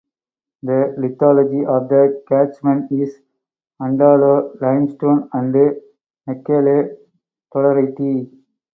The lithology of the catchment is Antalo Limestone and Mekelle Dolerite.